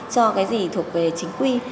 cho cái gì thuộc về chính quy